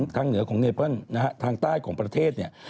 เหนือของเนเปิ้ลนะฮะทางใต้ของประเทศเนี่ย